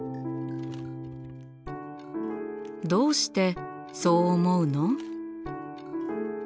どうしてそう思うの？